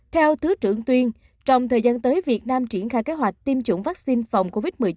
theo thứ trưởng tuyên trong thời gian tới việt nam triển khai kế hoạch tiêm chủng vaccine phòng covid một mươi chín